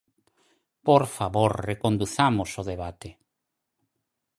¡Por favor, reconduzamos o debate!